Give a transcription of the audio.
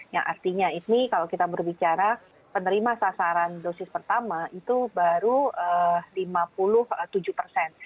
yang artinya ini kalau kita berbicara penerima sasaran dosis pertama itu baru lima puluh tujuh persen